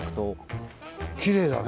きれいだね。